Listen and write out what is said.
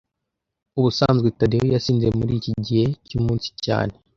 Ubusanzwe Tadeyo yasinze muriki gihe cyumunsi cyane